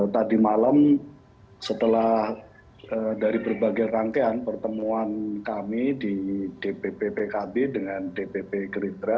tadi malam setelah dari berbagai rangkaian pertemuan kami di dpp pkb dengan dpp gerindra